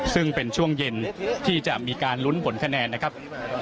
ซึ่งเป็นช่วงเย็นที่จะมีการลุ้นผลคะแนนนะครับ